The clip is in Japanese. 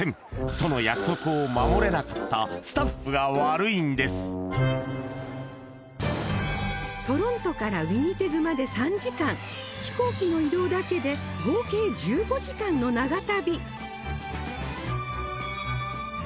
その約束を守れなかったトロントからウィニペグまで３時間飛行機の移動だけで合計１５時間の長旅